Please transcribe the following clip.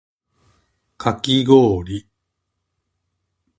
かきごおり